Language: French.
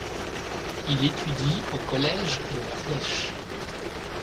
Il étudie au Collège de la Flèche.